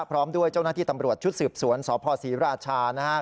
พร้อมด้วยเจ้าหน้าที่ตำรวจชุดสืบสวนสพศรีราชานะครับ